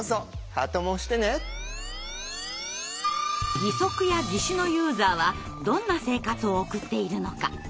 義足や義手のユーザーはどんな生活を送っているのか。